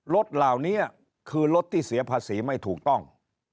รถเหล่านี้คือรถที่เสียภาษีไม่ถูกต้อง